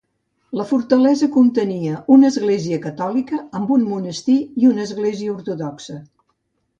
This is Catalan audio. La fortalesa contenia una església catòlica amb un monestir i una església ortodoxa.